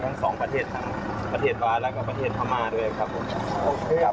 ทั้งสองประเทศทั้งประเทศราชน์และประเทศธรรมะด้วยครับ